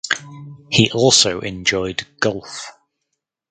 He also enjoyed golf.